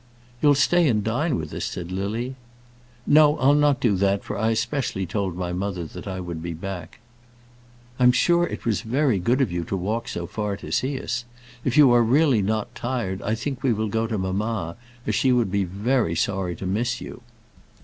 "You'll stay and dine with us," said Lily. "No, I'll not do that, for I especially told my mother that I would be back." "I'm sure it was very good of you to walk so far to see us. If you really are not tired, I think we will go to mamma, as she would be very sorry to miss you."